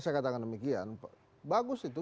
saya katakan demikian bagus itu